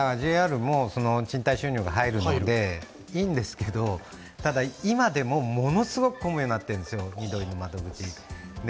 ＪＲも賃貸収入が入るのでいいんですけどただ今でも、ものすごく混むようになってるんですよ、みどりの窓口。